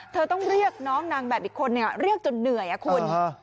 ต้องเรียกน้องนางแบบอีกคนเรียกจนเหนื่อยคุณ